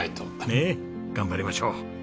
ねえ頑張りましょう！